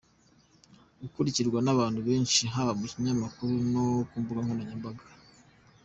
Akurikirwa n’ abantu benshi haba mu binyamakuru no ku mbuga nkoranyambaga.